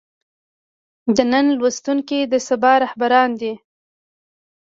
د نن لوستونکي د سبا رهبران دي.